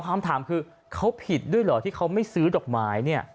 คำถามคือเขาผิดด้วยเหรอที่เขาไม่ซื้อดอกไม้เนี่ย